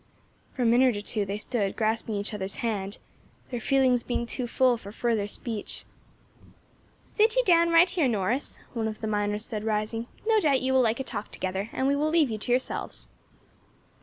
For a minute or two they stood grasping each other's hand, their feelings being too full for further speech. "Sit you down right here, Norris," one of the miners said, rising, "no doubt you will like a talk together, and we will leave you to yourselves."